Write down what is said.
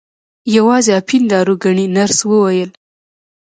یوازې اپین دارو ګڼي نرس وویل.